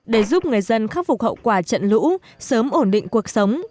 để giúp người dân khắc phục hậu quả trận lũ sớm ổn định cuộc sống